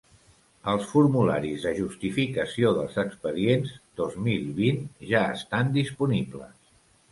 Els formularis de justificació dels expedients dos mil vint ja estan disponibles.